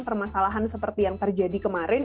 permasalahan seperti yang terjadi kemarin